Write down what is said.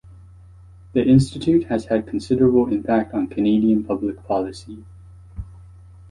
The Institute has had considerable impact on Canadian public policy.